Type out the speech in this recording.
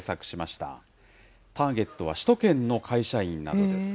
ターゲットは首都圏の会社員などです。